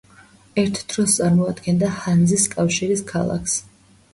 ერთ დროს წამოადგენდა ჰანზის კავშირის ქალაქს.